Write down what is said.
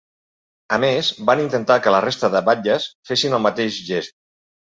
A més, van intentar que la resta de batlles fessin el mateix gest.